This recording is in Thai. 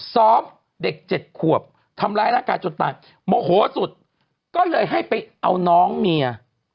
ซ้อมเด็กเจ็ดขวบทำร้ายร่างกายจนตายโมโหสุดก็เลยให้ไปเอาน้องเมีย